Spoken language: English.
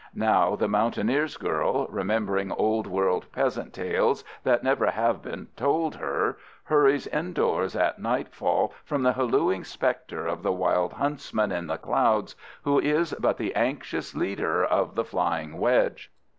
Now the mountaineer's girl, remembering Old World peasant tales that never have been told her, hurries indoors at nightfall from the hallooing specter of the Wild Huntsman in the clouds, who is but the anxious leader of the flying wedge.